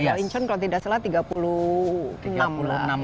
ya incon kalau tidak salah tiga puluh enam lah